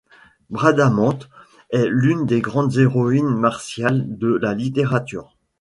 Bradamante est l'une des grandes héroïnes martiales de la littérature.